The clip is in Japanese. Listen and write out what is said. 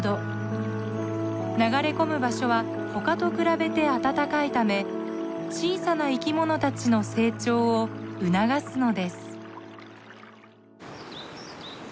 流れ込む場所は他と比べて温かいため小さな生き物たちの成長を促すのです。